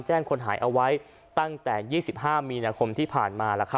คนหายเอาไว้ตั้งแต่๒๕มีนาคมที่ผ่านมา